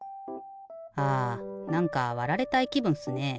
はあなんかわられたいきぶんっすね。